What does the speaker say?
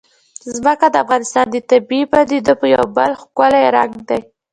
ځمکه د افغانستان د طبیعي پدیدو یو بل ښکلی رنګ دی.